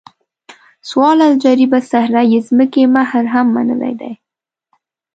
څوارلس جریبه صحرایي ځمکې مهر هم منلی دی.